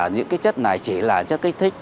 những cái chất này chỉ là chất kích thích